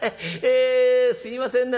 えすいませんね